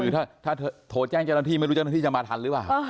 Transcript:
คือถ้าโทรแจ้งเจ้าหน้าที่ไม่รู้เจ้าหน้าที่จะมาทันหรือเปล่า